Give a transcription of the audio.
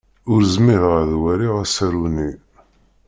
Ur zmireɣ ad waliɣ asaru-nni.